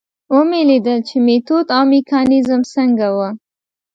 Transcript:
ومې لیدل چې میتود او میکانیزم څنګه و.